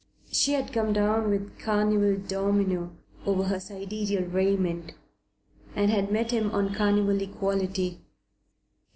She had come down with a carnival domino over her sidereal raiment, and had met him on carnival equality.